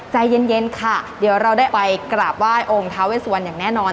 ใจเย็นค่ะเดี๋ยวเราได้ไปกราบไหว้องค์ท้าเวสวันอย่างแน่นอน